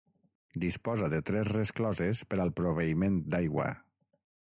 Disposa de tres rescloses per al proveïment d'aigua.